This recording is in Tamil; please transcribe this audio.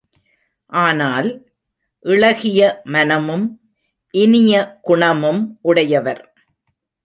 ஆனால், இளகிய மனமும் இனிய குணமும் உடையவர்.